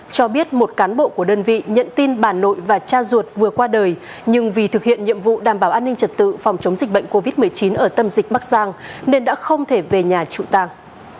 cho biết một cán bộ của đơn vị nhận tin bà nội và cha ruột vừa qua đời nhưng vì thực hiện nhiệm vụ đảm bảo an ninh trật tự phòng chống dịch bệnh covid một mươi chín ở tâm dịch bắc giang nên đã không thể về nhà trụ tàng